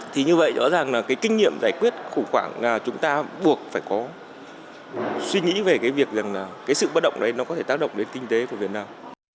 thì như vậy rõ ràng là cái kinh nghiệm giải quyết khủng hoảng là chúng ta buộc phải có suy nghĩ về cái việc rằng cái sự bất động đấy nó có thể tác động đến kinh tế của việt nam